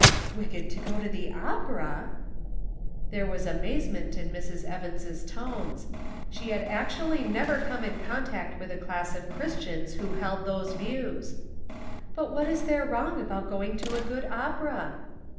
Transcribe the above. " Wicked to go to the opera !" There was great amazement in Mrs. Evans' tones : she had actually never come in contact with a class of Christians who held those views !" But what is there wrong about going to a good opera?"